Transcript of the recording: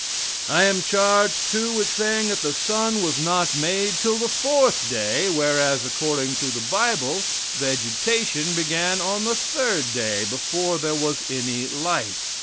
I am charged, too, with saying that the sun was not made till the fourth day, whereas, according to the bible, vegetation began on the third day, before there was any light.